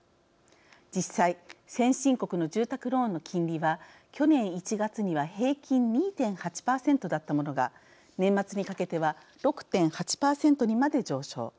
実際先進国の住宅ローンの金利は去年１月には平均２．８％だったものが年末にかけては６．８％にまで上昇。